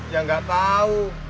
ya enggak tahu